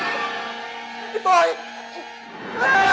ยังไม่อยากตาย